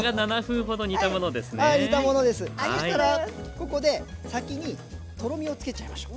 ここで先にとろみをつけちゃいましょう。